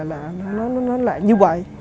là như vậy